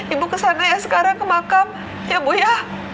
ibu kesana ya sekarang ke makam ya bu ya